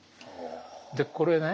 でこれね